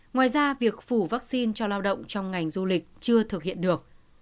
ngoài ra việc phủ vaccine cho lao động trong ngành du lịch chưa thực hiện được